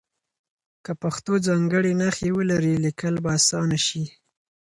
که پښتو ځانګړې نښې ولري لیکل به اسانه شي.